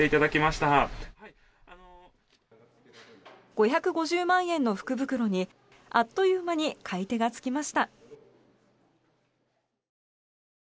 ５５０万円の福袋にあっという間に買い手がつきました。